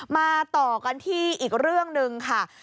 มาต่อกันที่อีกเรื่องหนึ่งค่ะ